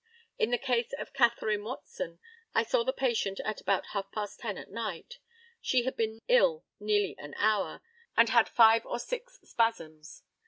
In the case of Catherine Watson, I saw the patient at about half past ten at night. She had been ill nearly an hour, and had five or six spasms.